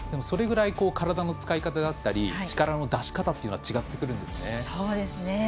それぐらい体の使い方であったり力の出しかたは違ってくるんですね。